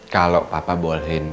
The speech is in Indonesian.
kalau papa bolehin